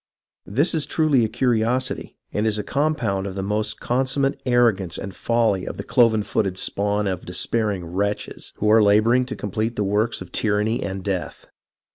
This is truly a curiosity, and is a compound of the most consummate arrogance and folly of the cloven footed spawn of despair ing wretches, who are labouring to complete the works of tyranny and death.